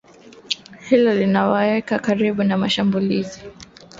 Hilo linawaweka karibu na mashambulizi ya karibuni ya